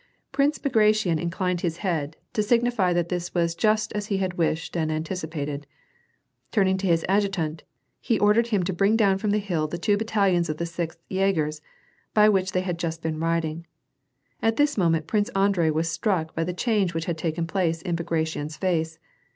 Prince Bagration inclined his head, to signify that this was just as he had wished and anticipated. Turning to his adju st, he ordered him to bring down from the hill the two bat talions of the Sixth Jagers, by which they had just been riding. At this moment Prince Andrei was struck by the change which harl taken place in Bagration's face.